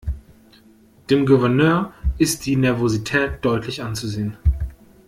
Dem Gouverneur ist die Nervosität deutlich anzusehen.